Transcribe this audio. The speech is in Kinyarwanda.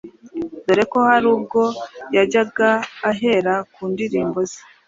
dore ko hari ubwo yajyaga ahera ku ndirimbo ze